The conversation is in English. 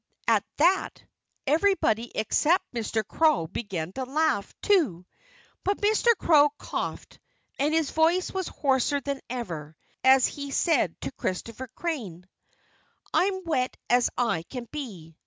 At that, everybody except Mr. Crow began to laugh, too. But Mr. Crow coughed; and his voice was hoarser than, ever as he said to Christopher Crane: "I'm wet as I can be.